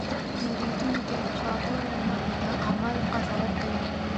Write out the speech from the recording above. پیرودونکی د خبرو نه، د عمل قضاوت کوي.